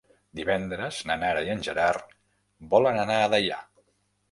Divendres na Nara i en Gerard volen anar a Deià.